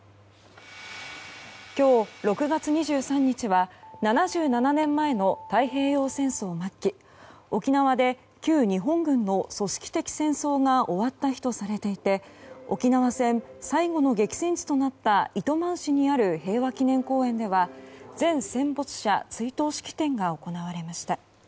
今日６月２３日は７７年前の太平洋戦争末期沖縄で旧日本軍の組織的戦闘が終わった日とされていて沖縄戦最後の激戦地となった糸満市にある平和祈念公園では全戦没者追悼式典が行われました。